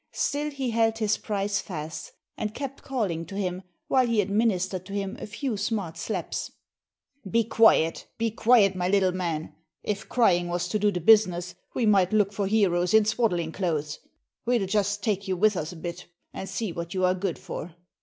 Still he held his prize fast, and kept calling to him, while he administered to him a few smart slaps "Be quiet, be quiet, my little man! If crying was to do the business, we might look for heroes in swaddling clothes. We'll just take you with us a bit, and see what you are good for."